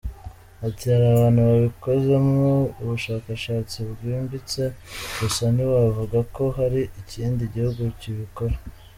Ati “Hari abantu babikozemo ubushakashatsi bwimbitse gusa ntiwavuga ko hari ikindi gihugu kibikora.